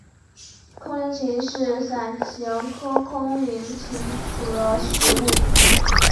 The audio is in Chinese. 空棱芹是伞形科空棱芹属的植物。